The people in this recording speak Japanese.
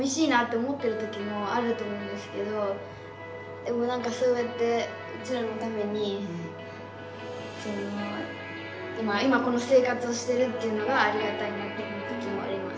でもでも何かそうやってうちらのために今この生活をしてるっていうのがありがたいなって思うときもあります。